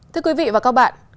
thưa quý vị và các bạn